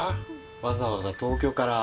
わざわざ東京から？